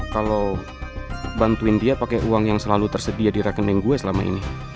kalau bantuin dia pakai uang yang selalu tersedia di rekening gue selama ini